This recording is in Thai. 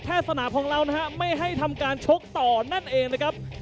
สนามของเรานะฮะไม่ให้ทำการชกต่อนั่นเองนะครับ